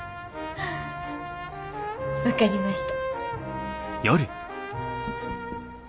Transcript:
分かりました。